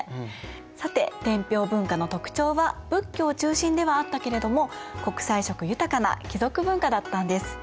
さて天平文化の特徴は仏教中心ではあったけれども国際色豊かな貴族文化だったんです。